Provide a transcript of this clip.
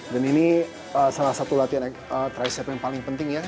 dan ini salah satu latihan tricep yang paling penting ya